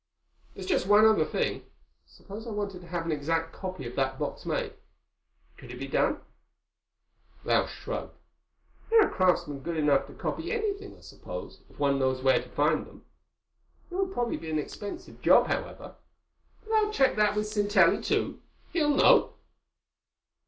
"There's just one other thing. Suppose I wanted to have an exact copy of that box made. Could it be done?" Lausch shrugged. "There are craftsmen good enough to copy anything, I suppose, if one knows where to find them. It would probably be an expensive job, however. But I'll check that with Sintelli too. He'll know."